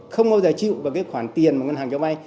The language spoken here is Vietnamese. không bao giờ chịu vào cái khoản tiền mà ngân hàng cho vay